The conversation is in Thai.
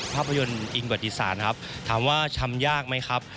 ภาพยนตร์อิงบัตติศาลครับถามว่าทำยากไหมครับ